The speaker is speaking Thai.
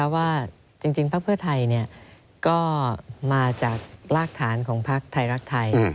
ว่าจริงพักเพื่อไทยก็มาจากรากฐานของพักไทยรักไทย